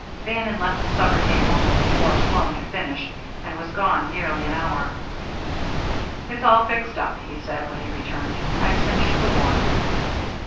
Bannon left the supper table before Sloan had finished, and was gone nearly an hour. "It's all fixed up," he said when he returned. "I've cinched the wharf."